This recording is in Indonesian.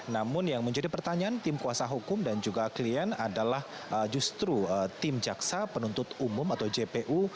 namun yang menjadi pertanyaan tim kuasa hukum dan juga klien adalah justru tim jaksa penuntut umum atau jpu